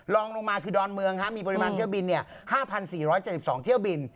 ลองลงมาคือดอนเมืองมีปริมาณเที่ยวบิน๕๔๗๒เที่ยวบิน